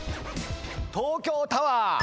東京タワー。